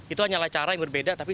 itu hanya cara yang berbeda